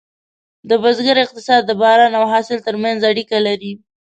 د بزګر اقتصاد د باران او حاصل ترمنځ اړیکه لري.